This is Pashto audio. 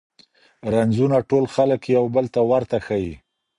رنځونه ټول خلګ یو بل ته ورته ښیي.